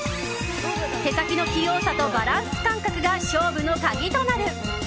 手先の器用さとバランス感覚が勝負の鍵となる！